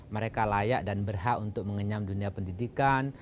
mereka layak dan berhak untuk mengenyam dunia pendidikan